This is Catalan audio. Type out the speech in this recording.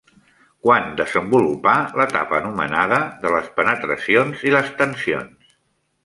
Quan desenvolupà l'etapa anomenada «de les penetracions i les tensions»?